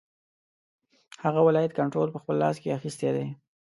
هغه ولایت کنټرول په خپل لاس کې اخیستی دی.